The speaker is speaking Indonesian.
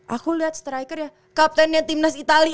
aku liat strikernya kaptennya timnas itali